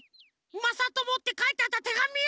まさとも」ってかいてあったてがみを！